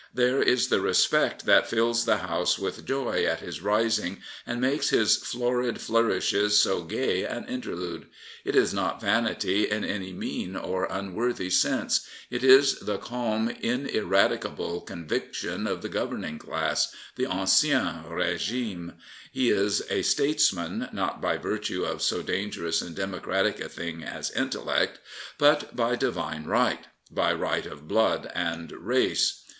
There is the respect that fills the House with joy at his rising and makes his florid flourishes so gay an interlude. It is not vanity in any mean or unworthy sense. It is the calm, inera(^able conviction of the governing class, the ancien rdgtme. He is a statesman not by virtue of so dangerous and democratic a thing as intellect; but by divine right, by right of blood and race.